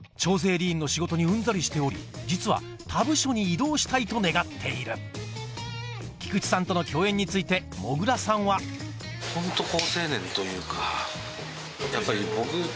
吏員の仕事にうんざりしており実は他部署に異動したいと願っている菊池さんとの共演についてもぐらさんは鷺沼宏樹役猪塚健太さんです